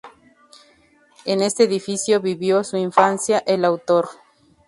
En este edificio vivió su infancia el autor.